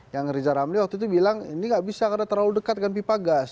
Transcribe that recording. yang riza ramli waktu itu bilang ini nggak bisa karena terlalu dekat dengan pipa gas